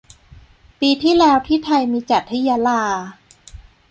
ปีที่แล้วที่ไทยมีจัดที่ยะลา